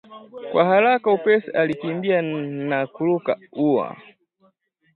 Kwa haraka upesi alikimbia na kuruka ua